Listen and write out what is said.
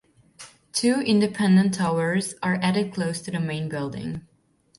Two independent towers are added close to the main building.